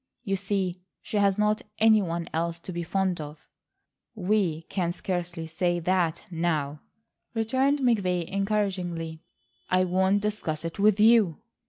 You see she has not any one else to be fond of." "We can scarcely say that now," returned McVay encouragingly. "I won't discuss it with you."